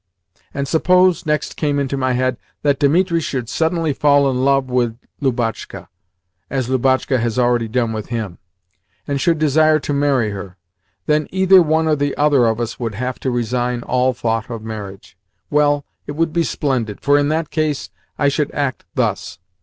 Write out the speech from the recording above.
And suppose," next came into my head, "that Dimitri should suddenly fall in love with Lubotshka (as Lubotshka has already done with him), and should desire to marry her? Then either one or the other of us would have to resign all thought of marriage. Well, it would be splendid, for in that case I should act thus.